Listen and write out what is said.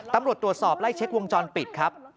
ตำรวจตรวจสอบไล่เช็ควงจรปิดครับ